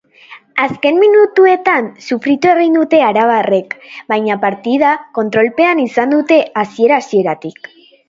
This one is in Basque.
Azken minutuetan sufritu egin dute arabarrek, baina partida kontrolpean izan dute hasiera-hasieratik.